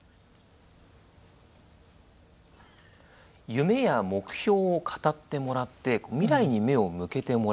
夢や目標を語ってもらって未来に目を向けてもらう。